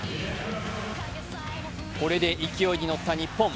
これで勢いにのった日本。